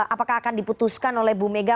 apakah akan diputuskan oleh bu mega